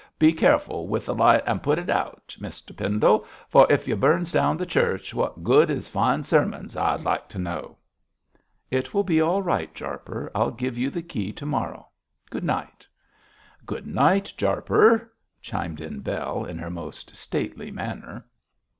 Be careful with the light an' put it out, Muster Pendle, for if you burns down the church, what good is fine sermons, I'd like to know?' 'It will be all right, Jarper. I'll give you the key to morrow. Good night!' 'Good night, Jarper!' chimed in Bell, in her most stately manner.